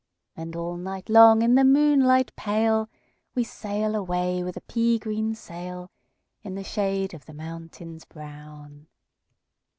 And all night long, in the moonlight pale, We sail away with a pea green sailIn the shade of the mountains brown."